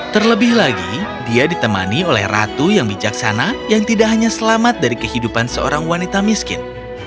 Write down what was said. terlebih lagi dia ditemani oleh ratu yang bijaksana yang tidak hanya selamat dari kehidupan seorang wanita miskin